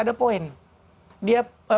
ada poin dia